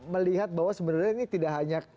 melihat bahwa sebenarnya ini tidak hanya